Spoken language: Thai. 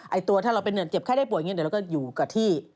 ตัวถ้าเราเป็นเจ็บไข้ได้ป่วยอย่างนี้เดี๋ยวเราก็อยู่กับที่